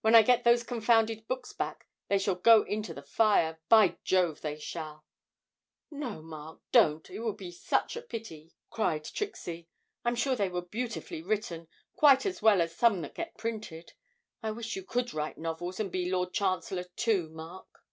When I get those confounded books back they shall go into the fire by Jove they shall!' 'No, Mark, don't, it would be such a pity,' cried Trixie. 'I'm sure they were beautifully written; quite as well as some that get printed. I wish you could write novels and be Lord Chancellor too, Mark.'